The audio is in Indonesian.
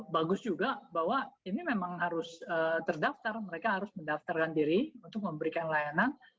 bagus juga bahwa ini memang harus terdaftar mereka harus mendaftarkan diri untuk memberikan layanan